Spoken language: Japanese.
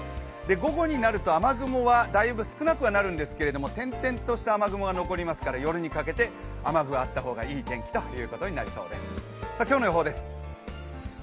午後になると雨雲はだいぶ少なくはなるんですけれども、点々とした雨雲が残りますから夜にかけて雨具があった方がいい天気です。